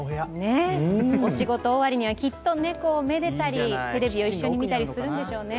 お仕事終わりには猫をめでたり、一緒にテレビを見たりするんでしょうね。